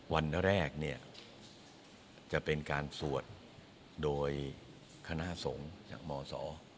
วันแรกเนี่ยจะเป็นการสวดโดยคณะสงฆ์จากมศ